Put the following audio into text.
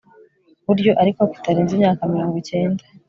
buryo ariko kitarenza imyaka mirongo icyenda